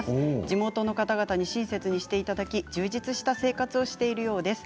地元の方々に親切にしていただき充実した生活をしているようです。